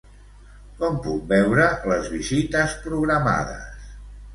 Com puc veure les visites programades?